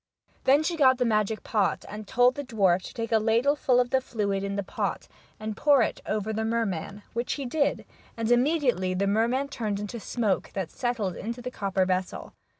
Then she got the magic pot, and told the dwarf to take a ladleful of the fluid in the pot, and pour over the merman, which he did, and immediately the merman turned into smoke, that settled in the copper vessel.